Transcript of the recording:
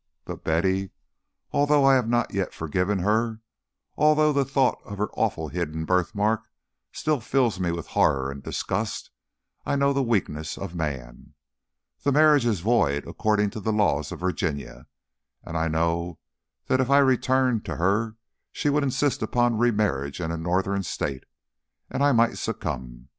But, Betty, although I have not yet forgiven her, although the thought of her awful hidden birthmark still fills me with horror and disgust, I know the weakness of man. The marriage is void according to the laws of Virginia, and I know that if I returned to her she would insist upon remarriage in a Northern State and I might succumb.